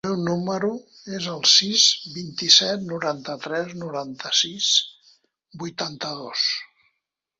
El meu número es el sis, vint-i-set, noranta-tres, noranta-sis, vuitanta-dos.